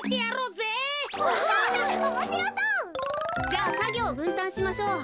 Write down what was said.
じゃあさぎょうをぶんたんしましょう。